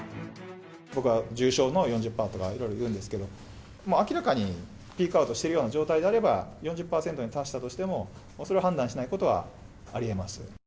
僕は重症の４０％とかいろいろ言うんですけど、明らかにピークアウトしているような状態であれば、４０％に達したとしてもそれは判断しないことはありえます。